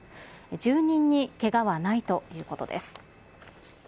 住人にけがはないということです。